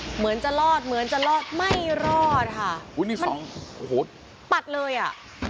เหมือนจะรอดเหมือนจะรอดไม่รอดค่ะอุ้ยนี่สองโอ้โหปัดเลยอ่ะ